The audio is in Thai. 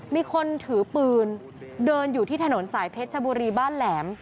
มีคนถือปืนเดินอยู่ที่ถนนสายเพชรชบุรีบ้านแหลม